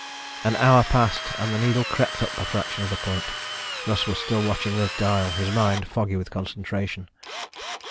An hour passed and the needle crept up a fraction of a point. Russ was still watching the dial, his mind foggy with concentration.